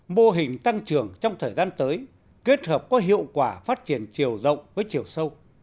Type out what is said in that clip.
mô hình tăng trưởng trong thời gian tới kết hợp có hiệu quả phát triển chiều rộng với chiều sâu